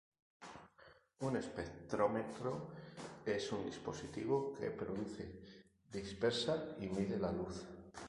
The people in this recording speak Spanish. Un espectrómetro es un dispositivo que produce, dispersa y mide la luz.